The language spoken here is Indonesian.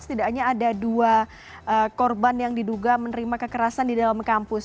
setidaknya ada dua korban yang diduga menerima kekerasan di dalam kampus